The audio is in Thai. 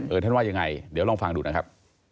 ท่านว่ายังไงเดี๋ยวลองฟังดูนะครับ